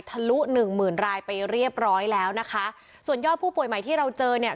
ลุหนึ่งหมื่นรายไปเรียบร้อยแล้วนะคะส่วนยอดผู้ป่วยใหม่ที่เราเจอเนี่ย